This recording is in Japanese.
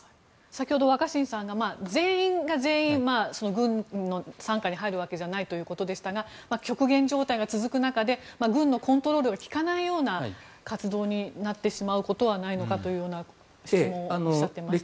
先ほど若新さんが全員が全員軍の傘下に入るわけじゃないということでしたが極限状態が続く中で軍のコントロールが利かないような活動になってしまうことはないのかというような質問をおっしゃっていましたが。